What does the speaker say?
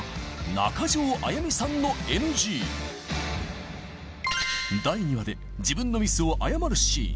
中条あやみさんのＮＧ第２話で自分のミスを謝るシーン